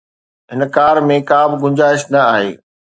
هن ڪار ۾ ڪا به گنجائش نه آهي